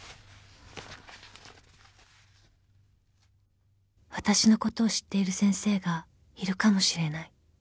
［わたしのことを知っている先生がいるかもしれない］